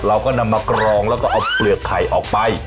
เราก็นำมากรองแล้วก็เอาเปลือกไข่ออกไป